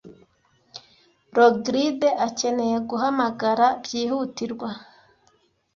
Rogride akeneye guhamagara byihutirwa.